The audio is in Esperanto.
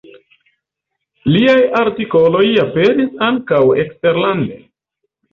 Liaj artikoloj aperis ankaŭ eksterlande.